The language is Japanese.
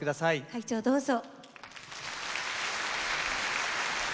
会長どうぞ。